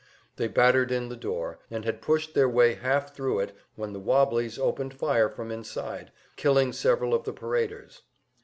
They battered in the door, and had pushed their way half thru it when the "wobblies" opened fire from inside, killing several of the paraders.